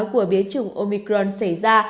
của biến chủng omicron xảy ra